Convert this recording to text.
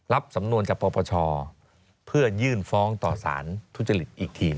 สำนวนจากปปชเพื่อยื่นฟ้องต่อสารทุจริตอีกที